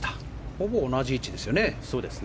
ほぼ同じ位置ですよね。